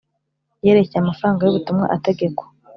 yerekeye amafaranga y’ubutumwa ategekwa